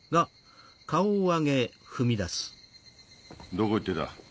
どこ行ってた？